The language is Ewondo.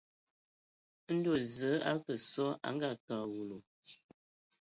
Ndo Zəə a akə sɔ a a ngakǝ a awulu.